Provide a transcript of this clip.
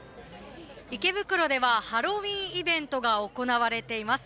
池袋ではハロウィーンイベントが行われています。